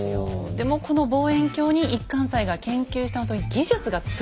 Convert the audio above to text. でもこの望遠鏡に一貫斎が研究したほんとに技術が詰まってるんですよね。